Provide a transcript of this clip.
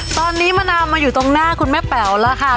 ตอนนี้มะนาวมาอยู่ตรงหน้าคุณแม่แป๋วแล้วค่ะ